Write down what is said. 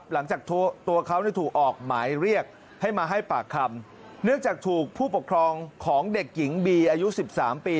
หลังจากตัวเขาถูกออกหมายเรียกให้มาให้ปากคำเนื่องจากถูกผู้ปกครองของเด็กหญิงบีอายุสิบสามปี